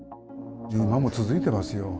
今も続いてますよ。